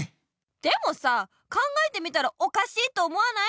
でもさ考えてみたらおかしいと思わない？